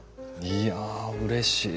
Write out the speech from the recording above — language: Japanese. いやうれしい。